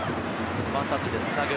ワンタッチでつなぐ。